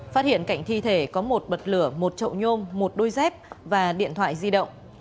phát hiện cạnh thi thể có một bật lửa một chậu nhôm một đôi dép và điện thoại di động